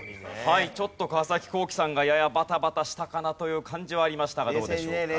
ちょっと川皇輝さんがややバタバタしたかなという感じはありましたがどうでしょうか？